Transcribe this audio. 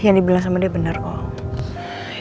yang dibilang sama dia benar kok